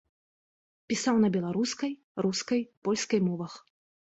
Пісаў на беларускай, рускай, польскай мовах.